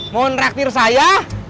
mau ngeraktir saya